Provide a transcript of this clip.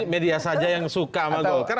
media saja yang suka sama golkar